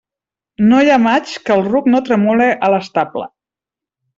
No hi ha maig que el ruc no tremole a l'estable.